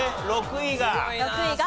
６位が？